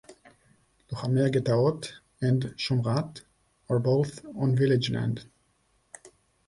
Lohamei HaGeta'ot and Shomrat are both on village land.